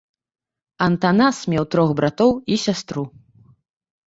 Антанас меў трох братоў і сястру.